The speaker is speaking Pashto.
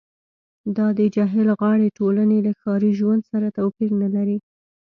دا د جهیل غاړې ټولنې له ښاري ژوند سره توپیر نلري